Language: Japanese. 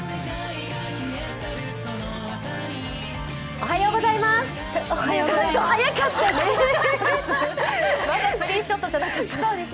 おはようございます。